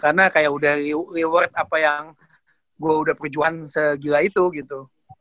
karena kayak udah reward apa yang gue udah perjuang segila itu gitu